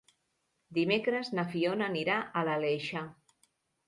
Dimecres na Fiona anirà a l'Aleixar.